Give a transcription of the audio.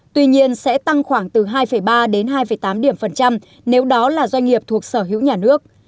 tuy nhiên sẽ tăng khoảng từ hai ba đến hai tám điểm phần trăm nếu đó là doanh nghiệp thuộc sở hữu nhà nước